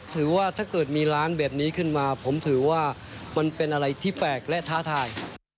ถ้าเกิดมีร้านแบบนี้ขึ้นมาผมถือว่ามันเป็นอะไรที่แปลกและท้าทาย